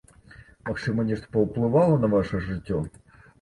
Магчыма, нешта паўплывала на ваша жыццё?